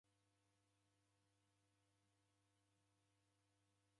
Uhu mwana wadashoashoa